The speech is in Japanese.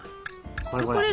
これこれ。